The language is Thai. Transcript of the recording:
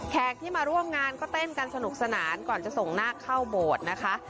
ที่มาร่วมงานก็เต้นกันสนุกสนานก่อนจะส่งนาคเข้าโบสถ์นะคะ